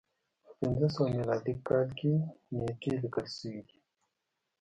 په پنځه سوه میلادي کال کې نېټې لیکل شوې دي.